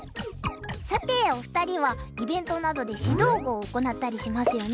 さてお二人はイベントなどで指導碁を行ったりしますよね。